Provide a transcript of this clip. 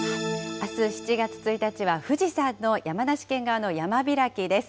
あす７月１日は富士山の山梨県側の山開きです。